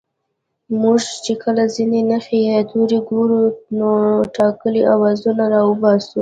موږ چې کله ځينې نښې يا توري گورو نو ټاکلي آوازونه راوباسو